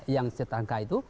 yang setersangka itu